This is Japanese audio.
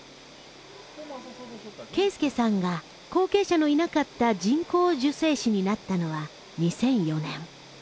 啓介さんが後継者のいなかった人工授精師になったのは２００４年。